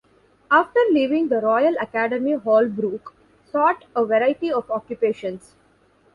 After leaving the Royal Academy Holbrooke sought a variety of occupations.